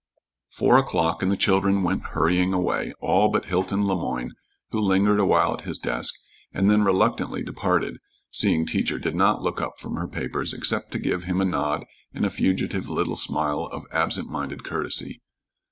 Four o'clock, and the children went hurrying away, all but Hilton Le Moyne, who lingered awhile at his desk, and then reluctantly departed, seeing Teacher did not look up from her papers except to give him a nod and a fugitive little smile of absent minded courtesy.